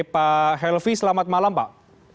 pak helvi selamat malam pak